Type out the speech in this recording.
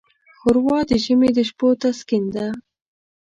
ښوروا د ژمي د شپو تسکین ده.